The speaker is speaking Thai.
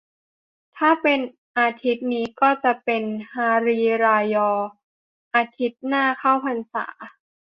ถ้าเป็นอาทิตย์นี้ก็จะเป็น ฮารีรายอ อาทิตย์หน้าเข้าพรรษา